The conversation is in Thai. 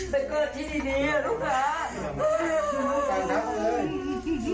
เป็นเกิดที่ดีล่ะลูกล้า